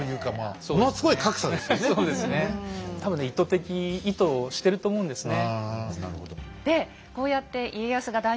多分ね意図的意図をしてると思うんですね。